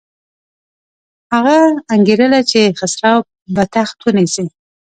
هغه انګېرله چې خسرو به تخت ونیسي.